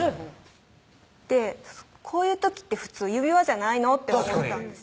こういう時って普通指輪じゃないの？と思ったんです